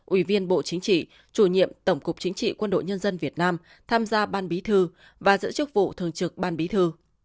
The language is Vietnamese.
ủy viên bộ chính trị chủ nhiệm tổng cục chính trị quân đội nhân dân việt nam tham gia ban bí thư và giữ chức vụ thường trực ban bí thư